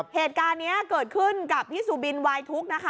เหตุการณ์นี้เกิดขึ้นกับพี่สุบินวายทุกข์นะคะ